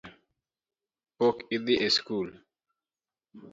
Pok idhi e sikul